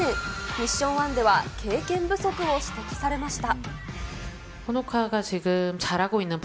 ミッション１では、経験不足を指摘されました。